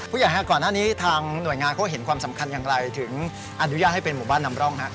ก่อนหน้านี้ทางหน่วยงานเขาเห็นความสำคัญอย่างไรถึงอนุญาตให้เป็นหมู่บ้านนำร่องฮะ